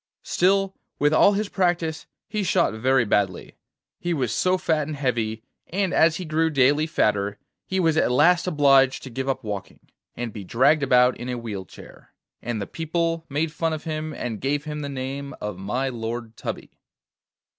Still, with all his practice he shot very badly, he was so fat and heavy, and as he grew daily fatter, he was at last obliged to give up walking, and be dragged about in a wheel chair, and the people made fun of him, and gave him the name of my Lord Tubby.